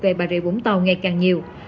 về bà rịa vũng tàu ngày càng nhiều